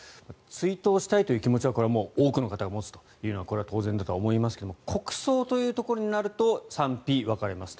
追悼したいという気持ちはこれはもう多くの方が持つのはこれは当然だと思いますが国葬というところになると賛否分かれます。